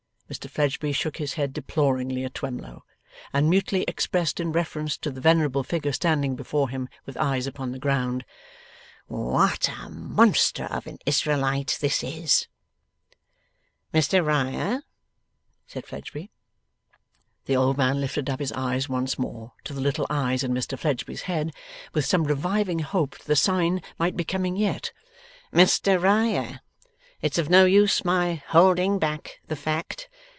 Mr Fledgeby shook his head deploringly at Twemlow, and mutely expressed in reference to the venerable figure standing before him with eyes upon the ground: 'What a Monster of an Israelite this is!' 'Mr Riah,' said Fledgeby. The old man lifted up his eyes once more to the little eyes in Mr Fledgeby's head, with some reviving hope that the sign might be coming yet. 'Mr Riah, it's of no use my holding back the fact.